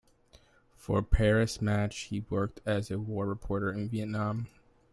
For "Paris Match" he worked as a war reporter in Vietnam.